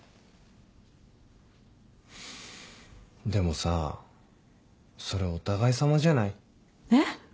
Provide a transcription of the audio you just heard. でもさそれお互いさまじゃない？えっ？